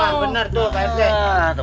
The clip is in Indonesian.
bener tuh pak rt